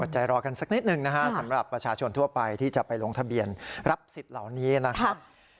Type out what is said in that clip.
ใจรอกันสักนิดหนึ่งนะฮะสำหรับประชาชนทั่วไปที่จะไปลงทะเบียนรับสิทธิ์เหล่านี้นะครับ